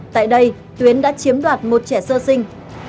tại đây tuyến đã chiếm đoạt một trẻ sơ sinh